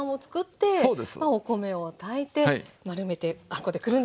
お米を炊いて丸めてあんこでくるんでいく。